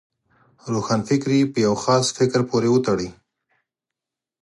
روښانفکري پر یو خاص فکر پورې وتړي.